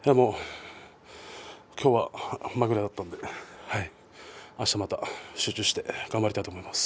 今日は、まぐれだったのであしたまた集中して頑張りたいと思います。